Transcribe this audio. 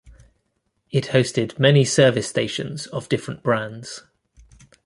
It hosted many service stations of different brands.